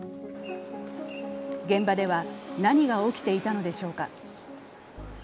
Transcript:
現場では何が起きていたのでしょうか。